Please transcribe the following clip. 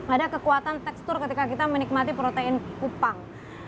ada kekuatan tekstur ketika kita menikmati protein kupang